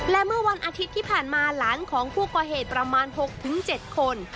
และเมื่อวันอาทิตย์ที่ผ่านมาหลานของผู้ก่อเหตุประมาณ๖๗คน